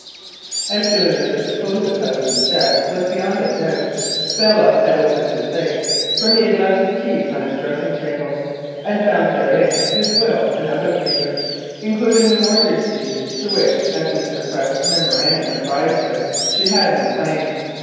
As soon as her supposed husband's death was beyond a doubt Belle had opened his safe (for he had left the keys on his dressing table), and found therein his will and other papers, including the mortgage deeds, to which, as Mr. Quest's memorandum advised her, she had no claim.